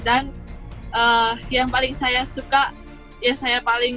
dan yang paling saya suka yang paling bikin hati kita walaupun capek tapi dari hati kita